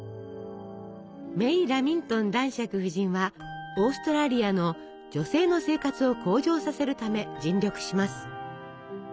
メイ・ラミントン男爵夫人はオーストラリアの女性の生活を向上させるため尽力します。